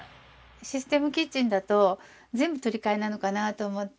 システムキッチンだと全部取り替えなのかなと思って。